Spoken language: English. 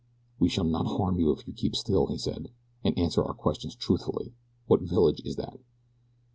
"We shall not harm you if you keep still," he said, "and answer our questions truthfully. What village is that?"